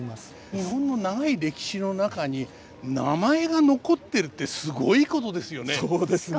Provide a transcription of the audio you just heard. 日本の長い歴史の中に名前が残ってるってすごいことですよね。